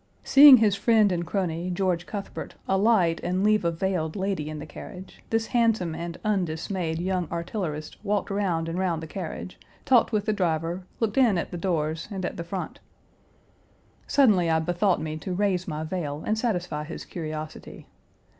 Seeing his friend and crony, George Cuthbert, alight and leave a veiled lady in the carriage, this handsome and undismayed young artillerist walked round and round the carriage, talked with the driver, looked in at the doors, and at the front. Suddenly I bethought me to raise my veil and satisfy his curiosity.